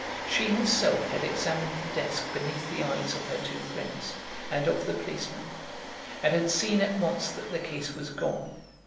She herself had examined the desk beneath the eyes of her two friends and of the policemen, and had seen at once that the case was gone.